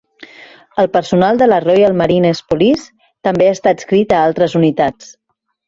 El personal de la Royal Marines Police també està adscrit a altres unitats.